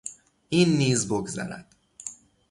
این نیز بگذرد.